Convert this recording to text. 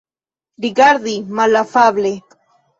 Rigardi malafable.